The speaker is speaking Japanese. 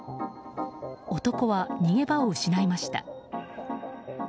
男は逃げ場を失いました。